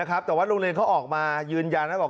แต่ว่าโรงเรียนเขาออกมายืนยันนะบอก